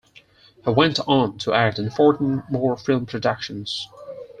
He went on to act in fourteen more film productions.